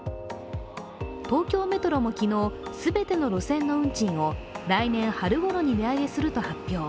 東京メトロも昨日、全ての路線の運賃を来年春ごろに値上げすると発表。